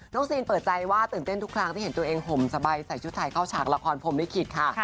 ซีนเปิดใจว่าตื่นเต้นทุกครั้งที่เห็นตัวเองห่มสบายใส่ชุดไทยเข้าฉากละครพรมลิขิตค่ะ